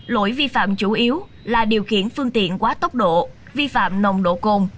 lỗi vi phạm chủ yếu là điều khiển phương tiện quá tốc độ vi phạm nồng độ cồn